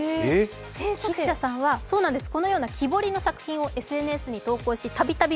製作者さんはこのような木彫りの作品をＳＮＳに投稿したびたび